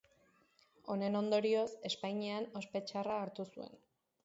Honen ondorioz, Espainian ospe txarra hartu zuen.